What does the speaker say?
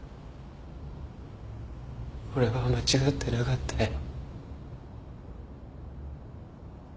俺は間違ってなかったよ。